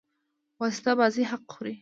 واسطه بازي حق خوري.